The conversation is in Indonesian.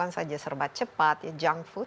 serbat cepat junk food